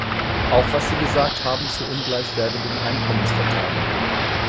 Auch was Sie gesagt haben zur ungleich werdenden Einkommensverteilung.